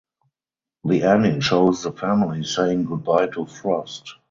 The ending shows the family saying goodbye to Frost.